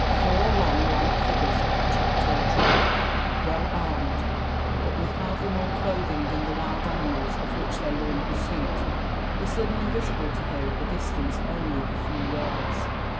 Four long lank figures of the Choctaw tribe, well armed, but with hardly more clothing than the wild animals of which they were in pursuit, were suddenly visible to her at the distance only of a few yards.